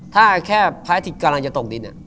ถ้าแค่พระอาทิตย์กำลังจะตกดิน